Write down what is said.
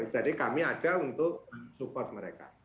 jadi kami ada untuk support mereka